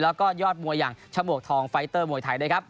แล้วก็ยอดมวยังชมธองไฟเตอร์มวยไทยได้ครับ